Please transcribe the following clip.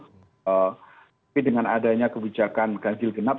tapi dengan adanya kebijakan ganjil genap